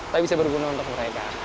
tapi bisa berguna untuk mereka